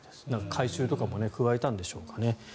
改修とかも加えたんでしょうかね。